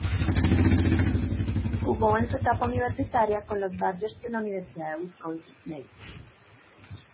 Jugó en su etapa universitaria con los "Badgers" de la Universidad de Wisconsin-Madison.